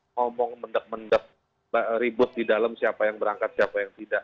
ngomong mendek mendek ribut di dalam siapa yang berangkat siapa yang tidak